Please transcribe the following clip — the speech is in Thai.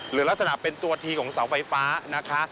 หรือลักษณะเป็นตัวทีของเสาไฟฟ้านะคะ